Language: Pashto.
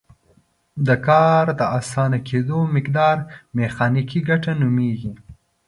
د کار د اسانه کیدلو مقدار میخانیکي ګټه نومیږي.